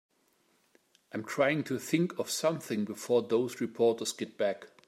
I'm trying to think of something before those reporters get back.